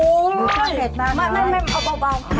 อุ๊ยมาเอาเบา